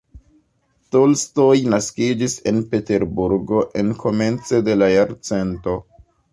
Tolstoj naskiĝis en Peterburgo en komence de la jarcento.